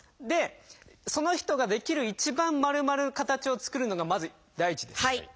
でその人ができる一番丸まる形を作るのがまず第一です。